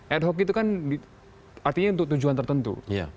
ad hoc itu kan artinya untuk tujuan tertentu